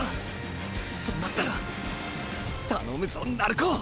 そうなったら頼むぞ鳴子！！